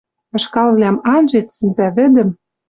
Ышкалвлӓм анжет, сӹнзӓвӹдӹм